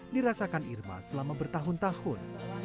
dirasakan irma selama bertahun tahun